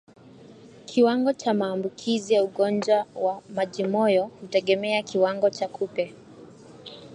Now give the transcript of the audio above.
Kiwango cha maambukizi ya ugonjwa wa majimoyo hutegemea kiwango cha kupe